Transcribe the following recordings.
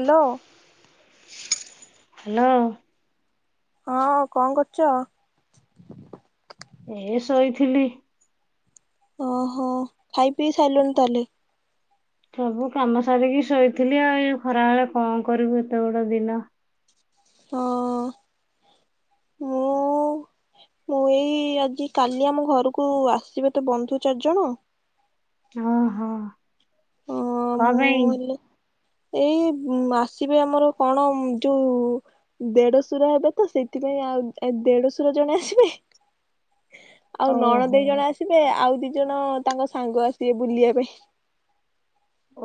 Hello. Hello. ହଁ କଣ କରୁଛ? ଏ ଶୋଇଥିଲି। ଓହୋ ଖାଇ ପିଇ ସାରିଲୁଣି ତାହେଲେ। ସବୁ କାମ ସାରିକି ଶୋଇଥିଲି ଆଉ ଇ ଖରା ବଳେ କଣ କରିବୁ ଏତେ ବଡ ଦିନ। ହଁ ମୁଁ ମୁଁ ଏଇ ଆଜି କାଲି ଆମ ଘରକୁ ଆସିବେ ତ ବନ୍ଧୁ ଚାରି ଜଣ ହଁ ହଁ। ଅ କଣ ମୁଁ ପାଇଁ। ହେଲେ ଏଇ ଉ ଆସିବେ ଆମର କଣ ଯୋଉ ଦେଢଶୁର ହେବେ ତ ସେଇଥିପାଇଁ ଆଉ ଦେଢଶୁର ଜଣେ ଆସିବେ। ଆଉ ନଣ ଓହୋ ଦେଇ ଜଣେ ଆସିବେ ଆଉ ଦି ଦି ଜଣ ତାଙ୍କ ସାଙ୍ଗ ଆସିବେ ବୁଲିବା ପାଇଁ।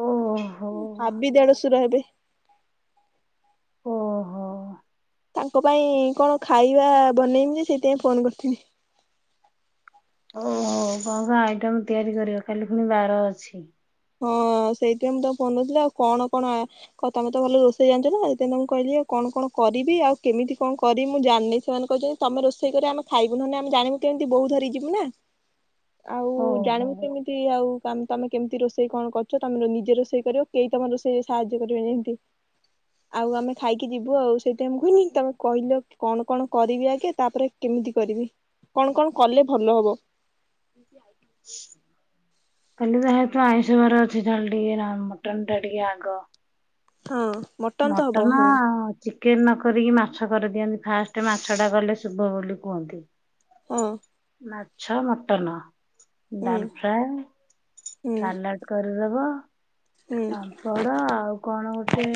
ଓହୋ ଭାବି ଦେଢ ଶୁଢ଼ ହେବେ। ଓହୋ। ତାଙ୍କ ପାଇଁ କଣ ଖାଇବା ବନେଇମି ଯେ ସେଇଥିାଇଁ ଫୋନ କରିଥିଲି। ଓହୋ କଣ କଣ ଆଇଟମ ତିଆରି କରିବ କାଲି ପୁଣି ବାର ଅଛି। ହଁ ସେଇଥିପାଇଁ ମୁଁ ତ ଫୋନ ନଉଥିଲି ଆଉ କଣ କଣ ତମେ ତ ଭଲ ରୋଷେଇ ଜାଣିଛ ନା ତମ କହିଲି ଆଉ କଣ କଣ କରିବି ଆଉ କେମିତି କଣ କରିବ ମୁ ଜାଣିନି ସେମାନେ କହିଛନ୍ତି ତମେ ରୋଷେଇ କରି ଆମେ ଖାଇବୁ ନହଲେ ଆମେ ଜାଣିବୁ କେମିତି ବୋଉ ଧରି ଯିବୁ ନା। ଆଉ ଓହୋ ଜାଣିବୁ କେମିତି ଆଉ। ତମ ତମେ କେମିତି ରୋଷେଇ ସେ କଣ କରଛ ତମେ ନିଜେ ରୋଷେଇ କରିବ କେହି ତମର ରୋଷେଇ ସାହାଯ୍ୟ କରିବେନି ଯେ ଏମିତି ଆଉ ଆମେ ଖାଇକି ଯିବୁ ଆଉ ସେଇଠି ଆମ କହନି ତମେ କହିଲ କଣ କଣ କରିବି ଆଗେ ତାପରେ କେମିତି କରିବି କଣ କଣ କଲେ ଭଲ ହବ। ଆଇ କାଲି ଯେହେତୁ ଆଇଁଷ ବାର ଅଛି ଯାହେଲ ଟିକେ ମଟନ୍ ଟା ଟିକେ ଆଗ। ହଁ। ମଟନ ତ ହବ ମଟନ୍ ଆଉ ହଁ। ଚିକେନ। ଚିକେନ ନ କରିକି ମାଛ କରିଦିଅନ୍ତି ଫାଷ୍ଟ ମାଛ ଟା ଗଲେ ଶୁଭ ବୋଲି କୁହନ୍ତି। ଓ। ମାଛ ମଟନ ହୁଁ ଡାଲ ଫ୍ରାଏ ହୁଁ ସାଲାଡ କରି [unintelligible] ହୁଁ। ପାମ୍ପଡ ଆଉ କଣ ଗୋଟେ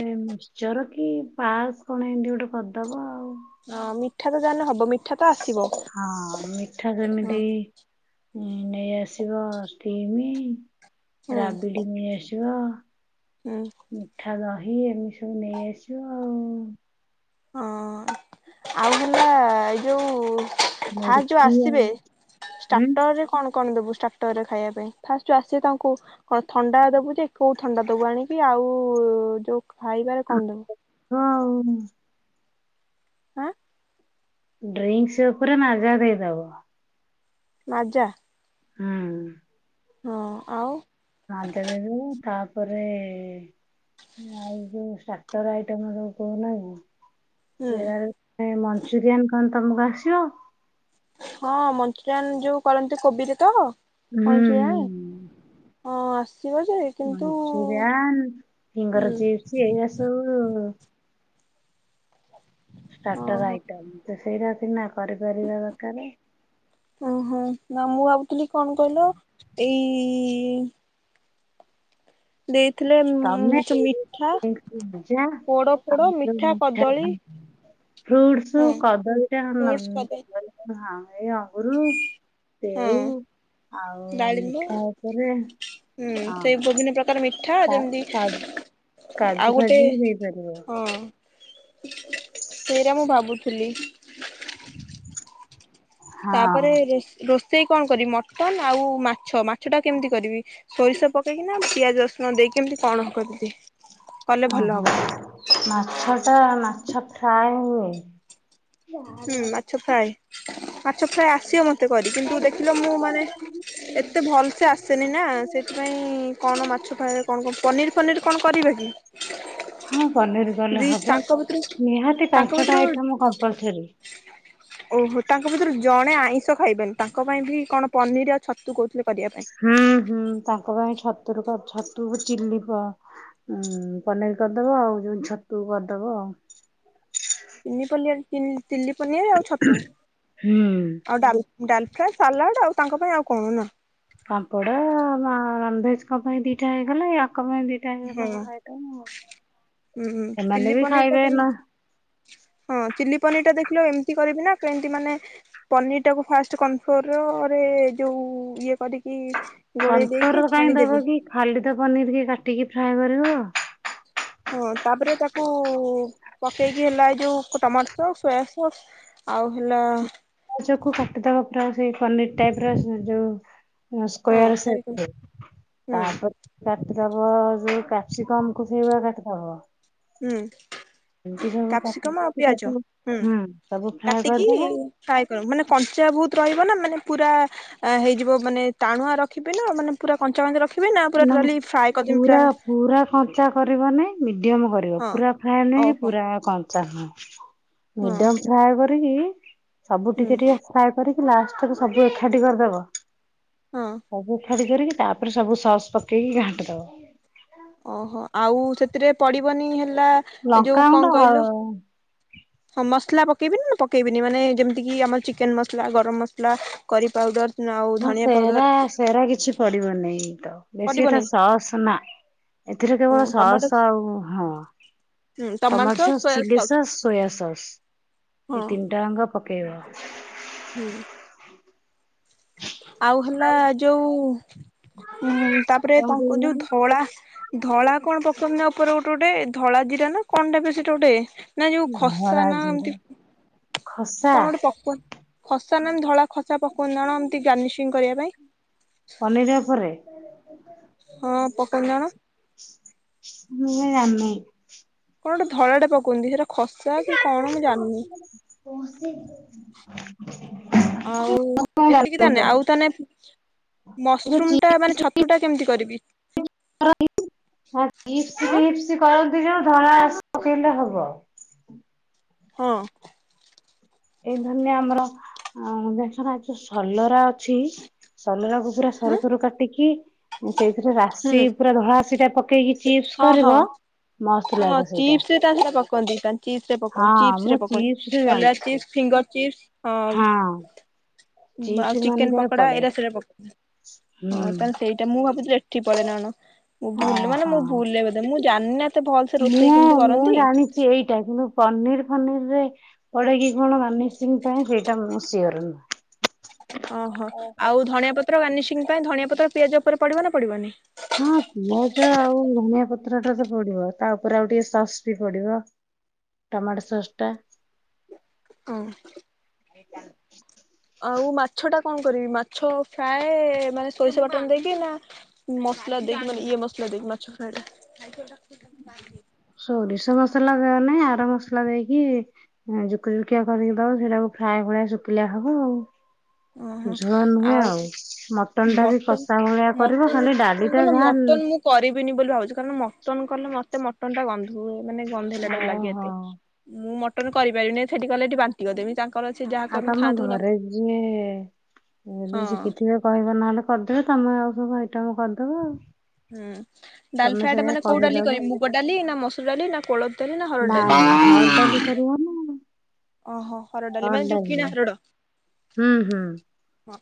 ଚର କି ପାସ୍ କଣ ଏମତି ଗୋଟେ କରିଦବ ଆଉ। ହଁ ମିଠା ତ ଯାହା ହେଲେ ହବ। ମିଠା ତ ଆସିବ ହଁ ମିଠା ହୁଁ ଯେମିତି ହଁ ନେଇ ଆସିବ ସ୍ଥିମ ହୁଁ ରାବିଡି ନେଇ ଆସିବ ମିଠା ଦହି। ଇଏ ଏମିସ୍ ସବୁ ନେଇ ଆସିବ ଆଉ। ହଁ ଆଉ ହେଲା ଏଇ ଯୋଉ ଫା ଯୋଉ ମୁଡକି ଆଉ ଆସିବେ ହୁଁ ଷ୍ଟାର୍ଟର ରେ କଣ କଣ ଦବୁ? ସ୍ଟାଟରେ ଖାଇବା ପାଇଁ। ଫାଷ୍ଟ ଯଉ ଆସିବେ ତାଙ୍କୁ କଣ ଥଣ୍ଡା ଦବୁ ଯେ କଉ ଥଣ୍ଡା ଦବୁ ଆଣିକି? ଆଉ-ଉ-ଉ ଯ ଖାଇବାରେ କଣ ଦବ? ଆମ୍ବ ଆଉ ଆଁ। ଡ୍ରିଙ୍କସ୍ ଉପରେ ମାଜା ଦେଇଦବ। ମାଜା। ହୁଁ। ହଁ ଆଉ। ମାଜା ଦେଇଦେବୁ। ତାପରେ ଏ ଆଉ ଯୋଉ ଷ୍ଟାଟର ଆଇଟମ୍ ସବୁ କହୁନ କି ହୁଁ ସେଆଳୁ ଏ ମଞ୍ଚୁରିଆନ ଖନ୍ ତମକୁ ଆସିବ? ହଁ ମଞ୍ଚୁରିଆନ ଯୋଉ କରନ୍ତି କୋବିରେ ତ? [unintelligible] ହଁ ଆସ୍ ମଞଚୁରିଆନ୍, ହୁଁ ଫିଙ୍ଗର ଚିପ୍ସ ଏଇଆ ସବୁ -ଉ ଷ୍ଟାଟର ଓହୋ ଆଇଟମ୍ ଯେ ସେଇରା ସିନା କରିପାରିବା ଦରକାରେ। ଓହୋ ନା ମୁଁ ଭାବୁଥିଲି କଣ କହିଲ? ଏଇ-ଇ-ଇ ଦେ ଥିଲେ ଉମ୍ ତମେ ସେ ମିଠା, ଭଜା ଆଉ ପୋଡଫୋଡ ଯୋଉ ମିଠା, କଦଳୀ। ଫ୍ରୁଟସ୍ ହଁ କଦଳୀ ଟା- ଫ୍ରୁଟସ କଦଳୀ ଆ-ହଁ। ଏଇ ଅଙ୍ଗୁରୁ, ହଁ ସେଉ, ଆଉ ଡାଳିମ୍ବ ମିଠା ଉପରେ ହୁଁ ହଁ। ସେଇ ବିଭିନ୍ନ ପ୍ରକାର ମିଠା କା- ଯେମିତି, କା- କାଜୁ ଆଉ ଗୋଟେ ଫାଜୁ ବି ଦେଇପାରିବ ହଁ। ସେଇଟା ମୁଁ ଭାବୁଥିଲି। ହଁ ତାପରେ ରୋଷ୍ ରୋଷ୍ ସେଇ କଣ କରିବି ମଟନ ଆଉ ମାଛ। ମାଛ ଟା କେମିତି କରିବି? ସୋରିଷ ପକ୍ ପକେଇକିନା ପିଆକ ରସୁଣ ଦେଇକି କେମିତି କଣ କରିବି? କଲେ ଭଲ ଓହୋ, ହବ ମାଛ ଟା ମାଛ ଫ୍ରାଏ ହୁଏ। ହୁଁ ମାଛ ଫ୍ରାଏ। ମାଛ ଫ୍ରାଏ ଆସିବ ମତ୍ ଏତେ କରି କିନ୍ତୁ ଦେଖିଲ ମୁଁ ମାନେ ଏତେ ଭଲସେ ଆସେନି ନା ସେଥିପାଇଁ କଣ ମାଛ ଫରେ କଣ କଣ ପନିର ପନିର କଣ କରିବେ କି? ହଁ ପନିର ଗଲେ ଦି ହବ ତାଙ୍କ ଭିତରୁ ନିହାତି ତାଙ୍କ ଭିତରୁ ପାଞ୍ଚଟା ଆଇଟମ କମ୍ପଲ୍ସରୀ। ଓହୋ ତାଙ୍କ ଭିତରେ ଜଣେ ଆଇଁଷ ଖାଇବେନି ତାଙ୍କ ପାଇଁ ବି କଣ ପନିର ଆଉ ଛତୁ କ ହୁଁ ହୁଁ ତାଙ୍କ ପାଇଁ ଛତୁୁରତ ଛ ତୁ ଚିଲି ପନିର କରିଦବ ଆଉ ଯୋଉ ଛତୁ କରିଦବ ଆଉ ହଁ। ଚିଲି ପନିର ଆଉ ଛତୁ ହୁଁ। ଆଉ ଡାଲ ଡାଲ ଫ୍ରାଏ ସାଲାଡ ଆଉ ତାଙ୍କ ପାଇଁ ଆଉ କଣ ନା? ପାମ୍ପଡା ରନଭେଜ କ ପାଇଁ ଦିଟା ହେଇଗଲାୟା ଲୋକମାନେ ଦିଟା ହଁ ଖାଇଥା ହୁଁ ଚିଲି ସେମାନେ ବି ପନିର ଟା ଖାଇବେ ନା କେମିତି ହଁ ଚିଲି ପନିରଟା ଦେଖିଲ ଏମିତି କରିବି ନା କେମିତି ମାନେ ପନିରଟାକୁ ଫାଷ୍ଟ କନଫ୍ଲୋରରେ ଯେଉଁ ଇଏ କରିକି? ଗୋଳେଇ ଦେଇକି କନଫ୍ଲୋରର କାଇଁ ଛାଣିଦେବି ଦବକି ଖାଲି ତ ପନିର କି କାଟ ଟିକେ ଫ୍ରାଏ କରିବ। ହଁ ତାପରେ ତାକୁ ପକେଇକି ହେଲା ଏଇ ଯୋଉ ଟମାଟ ସସ ସୋୟାସସ୍ ହ ଆଉ ହେଲା ଆଜକୁ କାଟିଦବା ପ୍ରା ସେଇ ପନିର ଟାଇପ ର ଯୋଉ ହଁ ସ୍କୋୟାର ତିଆରି ହୁଁ ସେପରେ କାଟିଦବ ଯ କ୍ୟାପ୍ସିକମ କ ସେଇଭଳି କାଟିଦବ। ହୁଁ। ଏମିତି ସବୁ କାଟି କାପ୍ସିକମ ଆଉ ପିଆଜ ତାକୁ ହଁ ହୁଁ ସବୁ ଫ୍ରାଏ କାଟିକି କରିଦବ ଫ୍ରାଏ କର ମାନେ କଞ୍ଚା ବହୁତ ରହିବ ନା ମାନେ ପୁରା ହେଇଯିବ ମାନେ ଟାଣୁଆ ରଖିବି ନା ମାନେ ପୁରା କଞ୍ଚା କଞ୍ଚା ରଖିବ? ନା ପା ପୁରା କଞ୍ଚା କରିବନାଇ ମିଡିୟମ କରିବ। ରିବ ହଁ ପୁରା ଫ୍ରାଏ ନୁହଁ କି ଓହୋ ପୁରା କ କଞ୍ଚା ହଁ ହଁ ମିଡିଅମ ଫ୍ରାଏ କ କରିକି? ସବୁ ଟିକେ ଟିକେ ହୁଁ ଫ୍ରାଏ କରି ଲାଷ୍ଟରେ ସବୁ ଏକାଠି କରିଦବ। ହଁ ସବୁ ଛାଡି କରିକି ତାରେ ରେ ସବୁ ସ ପକି କି ଘାଣ୍ଟି ଦବ। ଓହୋ ଆଉ ସେଥିରେ ପଡିବନି ହେଲେ ଲା ଯୋଉ କଣ କହିଲ ଲଙ୍କାଗୁଣ୍ଡ ମସଲା ପ ପକାଇବିନି ନା ପକାଇବିନି ମାନେ ଯେମିତିକି ଆମର ଚିକେନ୍ ମସଲା ଗରମ ମସଲା କରି ପାଉଡ଼ର ନା ସେହେରା ସେହେରା କିଛି ପଡିବନାଇ। ତ ବେଶୀ ଏଟା ପଡିବନି ସସ୍ ନା ଏଥିରେ ହଁ କେବଳ ସସ୍ ଟମାଟୋ ଆଉ ହଁ tomato sauce chilli sauce soya sauce ହଁ ଏଇ ତିନିଟା ଯାକ ପକେଇବା। ହୁଁ। ଆଉ ହେଲା ଯୋଉ ଉଁ ତାପରେ କଣ ତାଙ୍କୁ କହିଲ ଯୋଉ ଧଳା ଧଳା କଣ ପ୍ରଥମ ନବା ତାର ଗୋଟେ ଗୋଟେ ଧଳା ଜିରା ନା କଣଟା ଯେ ସେଟା ଗୋଟେ ନା ଯୋଉ ଖସା ଧଳା ନା ଜିରା ଏମିତି ଖସା କଣ ଗୋଟେ ପକାଉ, ଖସା ନା ଧଳା ଖସା ପକଉନ ଏମତି ଗାର୍ନିସିଂ କରିବା ପାଇଁ। ପନିର ଉପରେ ହଁ ପୋକନ୍ ଜଣ। ମୁଁ ସେଟା ଜାଣି ନାଇ। କଣ ଗୋଟ ଧଳାଟେ ପକଉଚନ୍ତି ସେଟା ଖସା କି କଣ ମୁଁ ଜାଣିନି। ମୁଁ ଜାଣିନି [inaudible] ଆଉ ଏତିକି ତ। ତାନଲେ ଆଉ ତାନେ ଯୋଉ ମସରୁମ ଟା ମାନେ ଛତୁ ଟା କେମିତି କରିବି? ସେଟା ଧଲା ରାଶି ପକେଇଲେ ହବ। ହଁ। ଏଇ ଧରିନିଅ ଆମର ଦେ ସଲରା ଅଛି ସଲରାକୁ ପୁରା ହୁଁ ସରୁ ସରୁ କାଟିକି ସେଇଥିରେ ରାଶି ପୁରା ଧଳାତାଶି ଟା ପକେଇକି ଚିପ୍ସ ହଁ ହଁ କରିବ ମସ୍ତ ହଁ। ଲାଗେ ସେଇଟା ଚିପ୍ସ ରେ ତା ସେ ପକାନ୍ତି ଚିପ୍ସ ରେ ପଉ ହଁ ଚିପ୍ସ ମୁଁ ରେ ପଉ ଚିପ୍ସରେ କଲରା ଜାଣିଛି ଚିପ୍ସ ଫିଙ୍ଗର ଚିପ୍ସ। ହଁ। ଆଉ ଚିପ୍ସ ଚିକେନ ମାନଙ୍କରେ ପକଡା ପଡେ ଏଇରା ସେଇଟା ପ ହୁଁ ହଁ ତାହେଲେ ସେଇଟା ମୁଁ ଭାବୁଥିଲି। ଲି ରେ ପଡେ ନା କ ମୁଁ ବୁଲ ମାନେ ଓହୋ ମୁଁ ଭୁଲ ରେ ବୋଧେ ମୁଁ ଜଣେ ମୁଁ ମୁଁ ଜାଣିଛି ଏଇଟା କିନ୍ତୁ ପନିର ଫନିର ପଡ଼କି କଣ ନ ମିସିଙ୍ଗ ପାଇଁ ସେଇଟା ମୂସିିନ୍ତ ଓହୋ ଆଉ ଧନିଆ ପତ୍ର ବି ପାଇଁ ଧଣିଆ ପତ୍ର ପିଆଜ ଉପରେ ପଡ଼ିବ ନା ପଡିବନି ହଁ ପିଆଜ ଆଉ ଧନିଆ ପତ୍ର ଟା ତ ପଡିବ ତା ଉପରେ ଆଉ ଟିକେ ସସ୍ ବି ପଡିବ ଟମାଟୋ ସସ୍ ଟା ହଁ ଆଉ ମାଛ ଟା କଣ କରିବି ମାଛ ଫ୍ରାଏ ମାନେ ସୋରିଷ ବାଟନ ଦେଇକି ନା ମସଲା ଦେଇକି ମାନେ ଇଏ ମସଲା ଦେଇକି ମାଛ ଫ୍ରାଏ। ସୋରିଷ ମସଲା ଦ ନାହିଁ ଆର ମସଲା ଦେଇକିୁୋକୁକିଆ କରିକି ଦବ ସେଇଟାକୁ ଫ୍ରାଏ ଭଳି ଶୁଖିଲଆ ହବ ଆଉ। ଓହୋ ଝୋଳ ନୁହେଁ ଆଉ ଟା ବି ମଟନ କଷା ଭଳିଆ କରିବ ମଟନ୍ ଖାଲି ଡାଲି କଣ ଟା କିଲ ଯାହା ମଟନ ମୁଁ କରିବିନି ବୋଲି ଭାବୁଛି କାରଣ ମଟନ କଲେ ମତେ ମଟନ ଟା ଗ ହୁଁ। ମାନେ ଗନ୍ଧ ହେଲା ଟା ଲାଗେ ଓହୋ ଏତେ ମୁଁ ମଟନ କରିପାରିନି। ସେଠି ଗଲେ ଏଠ ବାନ୍ତି କରିଦେ ତା ଆଉ ତମ ଘରେ ଯିଏ ଯଦି ହଁ ଶିଖିଥିବେ କହିବ ନହେଲେ କରିଦେବେ ତମେ ଆଉ। ସବୁ ଆଇଟମ କରିଦବା ଆଉ। ହୁଁ। ଡାଲ ତମେ ଫ୍ରାଏ ଟା ସେଇଆ ମାନେ କୋଉ ଡାଲି କହିଦବ କରିବେ ମୁଗ ଡାଲି ନା ମସୁର ଡାଲି ନା କୋଳ ଡାଲି ନା ହର ଡାଲି ଓହୋ। ହରଡ଼ ଡାଲି ମାନେ ହଣ୍ଡ ଯୋଉ କିଣା ହୁଁ ହୁଁ। ହଁ।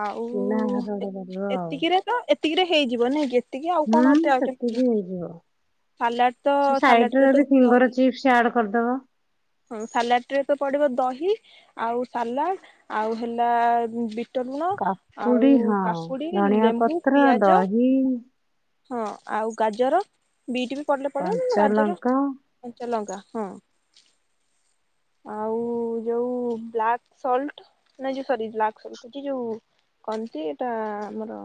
ଆଉ ଚୁନା ହରଡ଼ ଡାଲି କରିବ ଆଉ ଏତିକିରେ ତ ଟିକରେ ହେଇଯିବ ନାାଇଁ କି। ଆଉ ହୁଁ କଣେ ସେତିକି ହେଇଯିବ। ସାଲାଡ ତ ସେ ସାଇଡରେ ସାଲାରେ ଯଦି ଫିଙ୍ଗର ଚିପ୍ସ ଆଡ କରିଦବ। ସାଲାରେ ପଡିବ ଦହି ଆଉ ସାଲାଡ଼ ଆଉ ହେଲା। ବିଟ ଲୁଣ ଆଉ କାକୁଡି ହଉ କାକୁଡି ଧଣିଆ ଲେମ୍ବୁ ପତ୍ର ପିଆଜ ଦହି ହଁ ଆଉ ଗାଜର ବିଟ୍ ବି ପିଲେ ପଡିବ ମ କଞ୍ଚା ରାଜର ଲଙ୍କା କଞ୍ଚଲଙ୍କା ହଁ। ଆଉ ଯୋଉ ବ୍ଲାକ୍ ସଲ୍ଟ ନାଇ ଯୋଉ ସରି ବ୍ଲାକ୍ ସଲ୍ଟଛି ଯୋଉ କହନ୍ତି ଏଇଟା ଆମର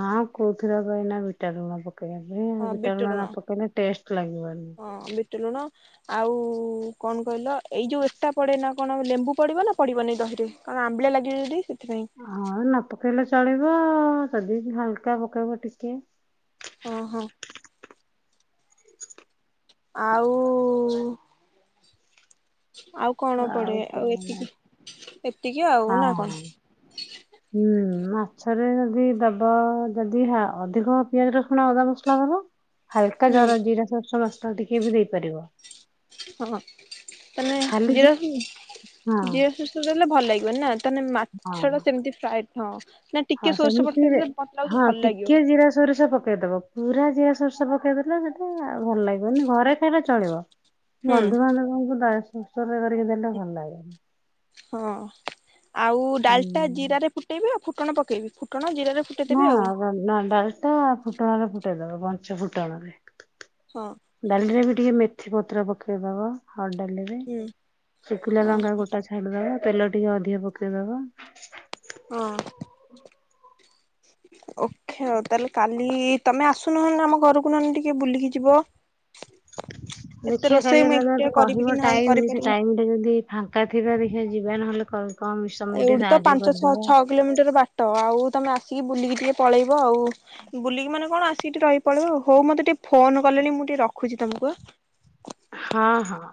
ହଁ କୋଉଥିଲା ପାଇଁ ନା ବିଟା ଲୁଣ ପ ପକେଇ ପାଇଁ ହଁ ବିଟ ଲୁଣ ଭଟା ପକେଇଲେ ଟେଷ୍ଟ ଲାଗିବନି କଟିଲୁଣ ଆଉ କଣ କହିଲ ଏଇ ଯୋଉ ଏଟା ପଡେ ନା କଣ ଲେମ୍ବୁ ପଡିବ ନା ପଡିବନି ଦହିରେ କଣ ଆମ୍ବଳିଳା ଲାଗିବ ଯଦି ସେଥିପାଇଁ ହଁ ନପକଲେ ଚାଳି ତଦ ହାଲକା ପକେଇବ ଟିକେ ଓ ହୋ। ଆଉ ଆଉ କଣ ପଡେ ଆଉ ଏତିକି ଏ ଟିକେ ଆଉ ନା ହଁ। ହୁଁ କଣ ମାଛରେ ଯଦି ଦବ ଯଦି ଅଧିକ ପିଆଜ ରସୁଣ ଅଦାମସଲା ଦବ। ହଲକା ହୁଁ ଜର ଜିରା ସୋରିଷ ମସ ତ ଟିକେ ବି ଦେଇପାରିବ ହଁ, ତମେ ଖାଲି ଜି ଜିରାସ ହଁ ଜିରା ସୋରିଷ ଦେଲେ ଭ ଭଲ ଲାଗିବ ନା? ତମେ ହଁ ମାଛ ଟା ସେମିତି ଫ୍ରାଏ ହଁ ନା ହଁ ଟିକେ ସୋରିଷ ବଟା ସେମିତିରେ ଦେଲେ ମତେ ଲାଗୁଛି ହଁ ଭଲ ଲାଗିବ ଟିକେ ଜିରା ସୋରିଷ ପକେଇଦବ ପୁରା ଜିରା ସୋରିଷ ପକେଇଦେଲେ ସେଟା ଭଲ ଲାଗିବନି ଘରେ ଖାଇଲେ ଚଳିବ। ହୁଁ ବନ୍ଧୁ ବାନ୍ଧବଙ୍କୁ। [unintelligible] [unintelligible] [unintelligible] କରିକି ଦେଲେ ଭଲ ଲାଗେ। ହଁ । ଆଉ ଡାଲଟା ଜିରାରେ ଫୁଟେଇବି ଆଉ ଫୁ କଣ ପକେଇବି ଫୁ ହଁ ଡାଲଟା ଫୁଟଣରେ ଫୁଟେଇଦବ। ପଞ୍ଚୁ ଫୁଟଣରେ। ହଁ ଡାଲିରେ ବି ଟିକେ ମେ ମେଥି ପତ୍ର ପକେଇଦବ। ହରଡ଼ ଡାଲିରେ, ହୁଁ ଶୁଖିଲା ହଁ ଲଙ୍କା ଗୋଟା ଛାଡିଦବ। ତେଲ ଟିକେ ଅଧିକ ପକେଇଦବ। ହଁ ଓ ଖେଳ ତାହେଲେ କାଲ ଲି ତମେ ଆସୁନହନ, ଆମ ଘରକୁ ନହଲେ ଟିକେ ବୁଲିକି ଯିବ। ଏତେ ଦେଖିଆ ରୋଷେଇ କାଲି ମୁଁ ତମେ ଏକୁଟିଆ ମତେ କରିବି କି କହିବ ନାହିଁ ଟାଇମ ସେ କରିପାରିବି। ଟାଇମି ଟା ଯଦି ଫାଙ୍କା ଥିବବି ଯିବା ନହେଲେ କର ଏଇଠୁ ତ ପାଞ୍ଚ ଛଅ ଛଅ କିଲୋମିଟର ବାଟ, ଆଉ ତମେ ଆସିକି ବୁିଲିକି ଟିକେ ପଳେଇ ଆଉ ବୁଲିକି ମାନେ କଣ ଆସି ସେଠି ରହି ପଳିବ ହଉ, ମତେ ଟିକେ ଫୋନ କଲେଣି, ମୁଁ ଟିକେ ରଖୁଛି ତମକୁ ଆ ହଁ, ହଁ